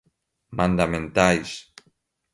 mandamentais